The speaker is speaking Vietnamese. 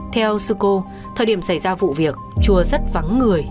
theo sư cô thời điểm xảy ra vụ việc chùa rất vắng người